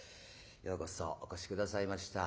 ようこそお越し下さいました。